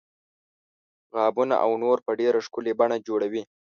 غابونه او نور په ډیره ښکلې بڼه جوړوي.